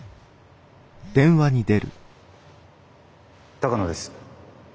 鷹野です。